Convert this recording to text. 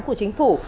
của chính phủ